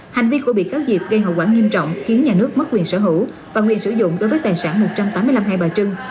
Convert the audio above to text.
hành vi của bị cáo diệp gây hậu quả nghiêm trọng khiến nhà nước mất quyền sở hữu và quyền sử dụng đối với tài sản một trăm tám mươi năm hai bà trưng